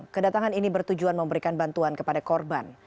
kedatangan ini bertujuan memberikan bantuan kepada korban